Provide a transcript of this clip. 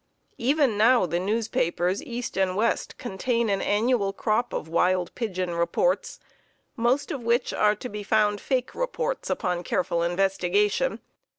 Even now the newspapers east and west contain an annual crop of wild pigeon reports, most of which are to be found fake reports upon careful investigation.